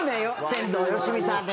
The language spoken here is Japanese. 天童よしみさんに。